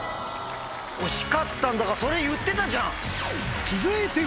惜しかったそれ言ってたじゃん。